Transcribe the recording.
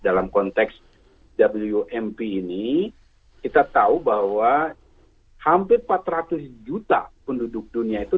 dalam konteks wmp ini kita tahu bahwa hampir empat ratus juta penduduk dunia itu